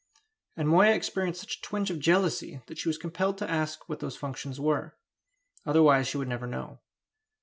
And Moya experienced such a twinge of jealousy that she was compelled to ask what those functions were; otherwise she would never know.